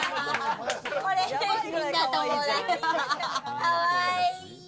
かわいい！